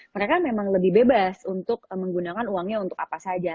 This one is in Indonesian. mereka memang lebih bebas untuk menggunakan uangnya untuk apa saja